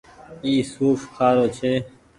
اي سوڦ کآ رو ڇي۔